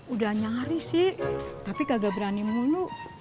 udah nyari sih tapi nggak berani mulu